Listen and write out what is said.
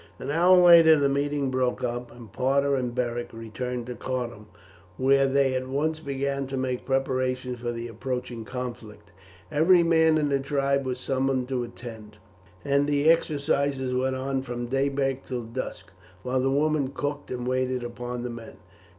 An hour later the meeting broke up, and Parta and Beric returned to Cardun, where they at once began to make preparations for the approaching conflict. Every man in the tribe was summoned to attend, and the exercises went on from daybreak till dusk, while the women cooked and waited upon the men.